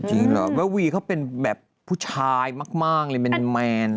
เหรอแวะวีเขาเป็นแบบผู้ชายมากเลยเป็นแมน